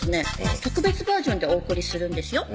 特別バージョンでお送りするんですよ